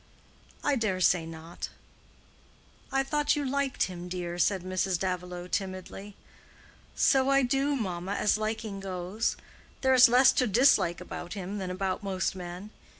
"I dare say not." "I thought you liked him, dear," said Mrs. Davilow, timidly. "So I do, mamma, as liking goes. There is less to dislike about him than about most men.